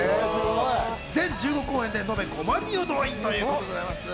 全１５公演で延べ５万人を動員ということでございます。